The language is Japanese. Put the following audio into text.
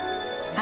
あ！